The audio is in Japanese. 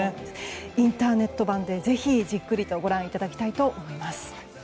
インターネット版でぜひ、じっくりとご覧いただきたいと思います。